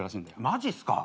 マジっすか。